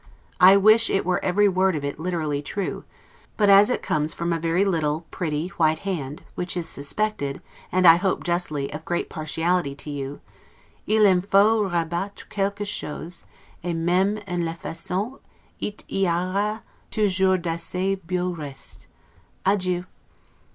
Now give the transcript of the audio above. I wish it were every word of it literally true; but, as it comes from a very little, pretty, white hand, which is suspected, and I hope justly, of great partiality to you: 'il en faut rabattre quelque chose, et meme en le faisant it y aura toujours d'assez beaux restes'. Adieu.